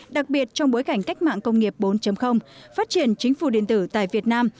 đặc biệt trong bối cảnh cách mạng công nghiệp bốn phát triển chính phủ điện tử tại việt nam